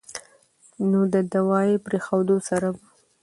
نو د دوائي پرېښودو سره به